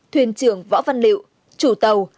thuyền trưởng võ văn liệu chủ tàu